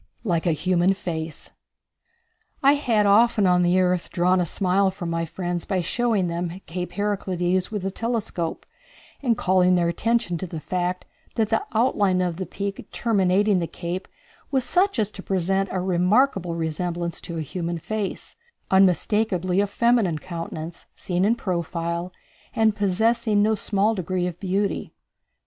Like a Human Face. I had often on the earth drawn a smile from my friends by showing them Cape Heraclides with a telescope, and calling their attention to the fact that the outline of the peak terminating the cape was such as to present a remarkable resemblance to a human face, unmistakably a feminine countenance, seen in profile, and possessing no small degree of beauty.